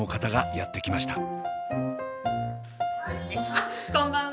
あっこんばんは。